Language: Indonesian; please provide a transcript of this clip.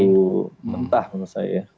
terlalu mentah menurut saya ya